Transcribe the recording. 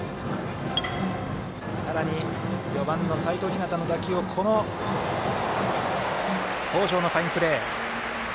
さらに４番の齋藤陽の打球をこの北條のファインプレー。